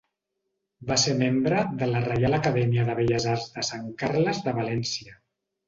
Va ser membre de la Reial Acadèmia de Belles Arts de Sant Carles de València.